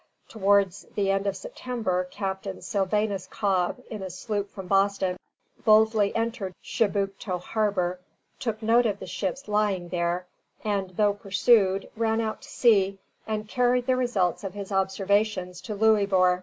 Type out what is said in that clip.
Towards the end of September Captain Sylvanus Cobb, in a sloop from Boston, boldly entered Chibucto Harbor, took note of the ships lying there, and though pursued, ran out to sea and carried the results of his observations to Louisbourg.